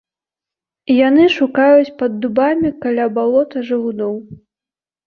Яны шукаюць пад дубамі каля балота жалудоў.